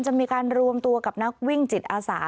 จะมีการรวมตัวกับนักวิ่งจิตอาสา